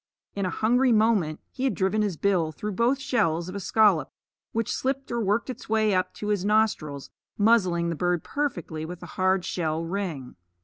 In a hungry moment he had driven his bill through both shells of a scallop, which slipped or worked its way up to his nostrils, muzzling the bird perfectly with a hard shell ring.